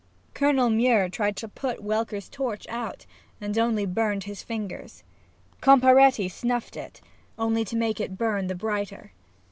Colonel Mure tried to put Welcker's torch out, and only burned his fingers. Comparetti snuffed it, only to make it burn the brighter.